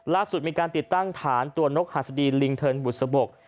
ล่าสุดมีการติดตั้งฐานตัวนกหัสดีลิงเทินบุษบก